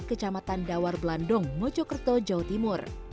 kecamatan dawar blandong mojokerto jawa timur